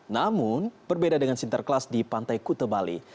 namun berbeda dengan sinterklaas di pantai kuta bali